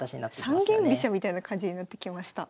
三間飛車みたいな感じになってきました。